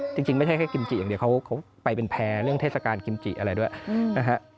จริงไม่ใช่แค่กิมจิอย่างเดียวเขาไปเป็นแพ้เรื่องเทศกาลกิมจิอะไรด้วยนะฮะ